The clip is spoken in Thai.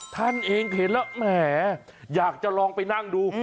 ท่านเองเห็นแล้วแหมอยากจะลองไปนั่งดู